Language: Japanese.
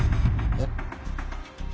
えっ。